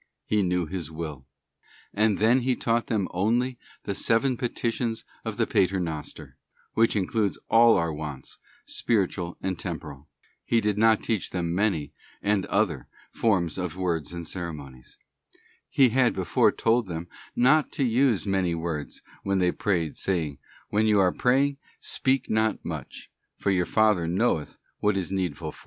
He knew His will. He then taught them only the seven petitions of the Pater Noster, which in clude all our wants, spiritual and temporal. He did not teach them many, and other forms of words and ceremonies. He had. before told them not to use many words when they prayed, saying, 'When you are praying, speak not much... for your Father knoweth what is needful for you.'§ Only * 2 Paral. i. 11, 12. + Genes. xxi. 13. t S. Luke xi.